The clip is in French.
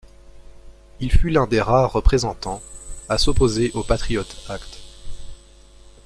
Il fut l'un des rares représentants à s'opposer au Patriot Act.